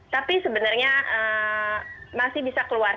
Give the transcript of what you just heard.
tapi sebenarnya masih bisa keluar